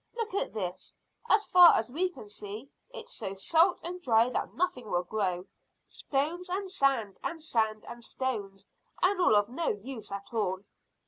Look at this: as far as we can see it's so salt and dry that nothing will grow. Stones and sand, and sand and stones, and all of no use at all."